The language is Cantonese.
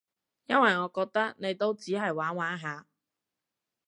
因為我覺得你都只係玩玩下